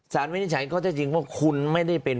สารวินิจฉัยก็จะจริงว่าคุณไม่ได้เป็น